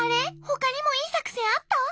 ほかにもいいさくせんあった？